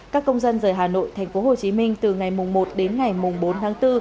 các công dân rời hà nội thành phố hồ chí minh từ ngày một đến ngày bốn tháng bốn